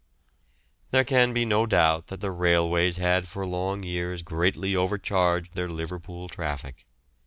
There can be no doubt that the railways had for long years greatly overcharged their Liverpool traffic.